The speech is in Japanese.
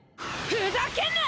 ふざけんな！